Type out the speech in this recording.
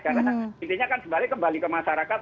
karena intinya kan kembali ke masyarakat